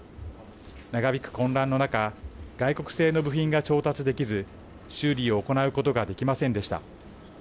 長引く混乱の中外国製の部品が調達できず修理を行うことができませんでした。